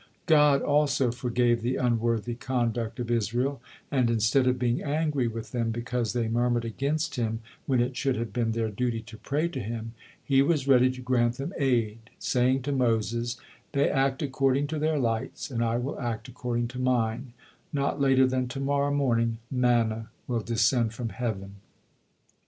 God also forgave the unworthy conduct of Israel, and instead of being angry with them because they murmured against Him, when it should have been their duty to pray to Him, He was ready to grant them aid, saying to Moses, "They act according to their lights, and I will act according to Mine; not later than to morrow morning manna will descend from heaven."